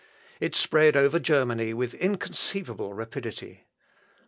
It spread over Germany with inconceivable rapidity.